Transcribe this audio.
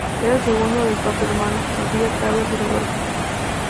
Es el segundo de cuatro hermanos; Sofía, Carlos y Rodolfo.